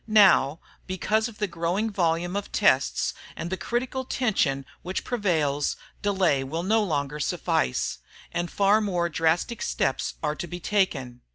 Now, because of the growing volume of tests, and the critical tension which prevails, delay will no longer suffice, and far more drastic steps are to be taken.